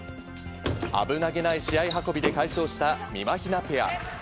危なげない試合運びで快勝したみまひなペア。